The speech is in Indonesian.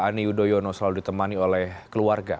ani yudhoyono selalu ditemani oleh keluarga